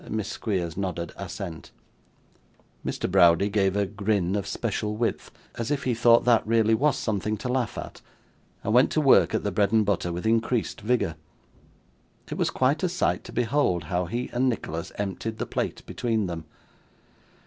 Miss Squeers nodded assent. Mr. Browdie gave a grin of special width, as if he thought that really was something to laugh at, and went to work at the bread and butter with increased vigour. It was quite a sight to behold how he and Nicholas emptied the plate between them.